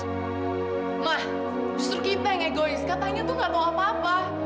emang justru kita yang egois katanya itu gak tahu apa apa